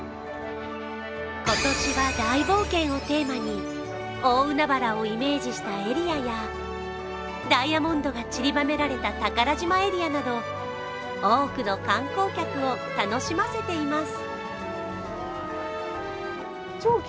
今年は大冒険をテーマに大海原をイメージしたエリアや、ダイヤモンドが散りばめられた宝島エリアなど、多くの観光客を楽しませています。